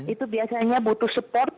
itu biasanya butuh support